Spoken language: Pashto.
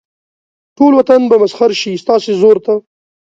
ټول وطن به مسخر شي ستاسې زور ته.